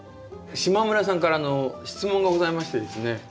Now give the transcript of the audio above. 島村さんから質問がございましてですね。